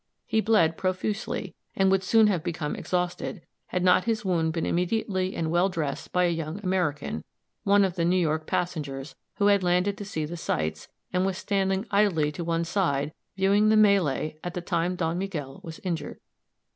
He bled profusely, and would soon have become exhausted, had not his wound been immediately and well dressed by a young American, one of the New York passengers, who had landed to see the sights, and was standing idly to one side, viewing the mêlée at the time Don Miguel was injured.